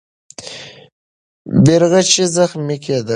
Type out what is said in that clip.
بیرغچی زخمي کېده.